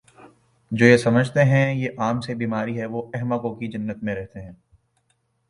جو یہ سمجھتے ہیں یہ عام سی بیماری ہے تو وہ احمقوں کی جنت میں رہتے ہیں